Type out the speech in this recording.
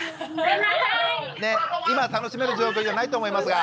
今楽しめる状況じゃないと思いますが。